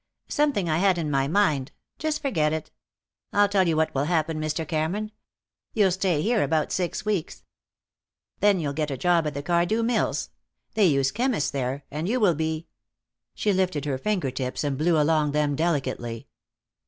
"Something I had in my mind. Just forget it. I'll tell you what will happen, Mr. Cameron. You'll stay here about six weeks. Then you'll get a job at the Cardew Mills. They use chemists there, and you will be " She lifted her finger tips and blew along them delicately.